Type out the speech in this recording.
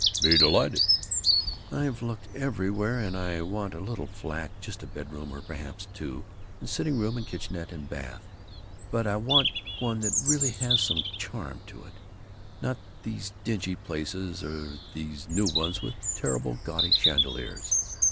"Be delighted." "I've looked everywhere and I want a little flat, just a bedroom, or perhaps two, and sitting room and kitchenette and bath, but I want one that really has some charm to it, not these dingy places or these new ones with terrible gaudy chandeliers.